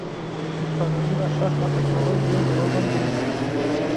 Bikaranîna şaş a teknolojiyê mirovan gêj dike.